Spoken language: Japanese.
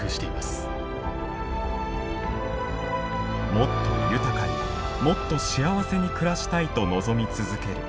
もっと豊かにもっと幸せに暮らしたいと望み続ける人間。